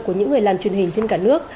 của những người làm truyền hình trên cả nước